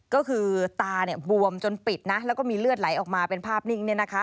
ก็คือตาบวมจนปิดนะแล้วก็มีเลือดไหลออกมาเป็นภาพนิ่งนี่นะคะ